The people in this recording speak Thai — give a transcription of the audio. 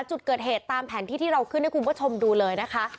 จุดเกิดเหตุตามแผนที่ที่เราขึ้นดูเลยนะคะ